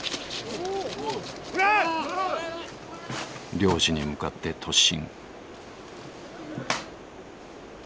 漁師に向かって突進。